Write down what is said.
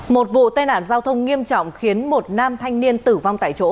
một vụ tai nạn giao thông nghiêm trọng khiến một nam thanh niên tử vong tại chỗ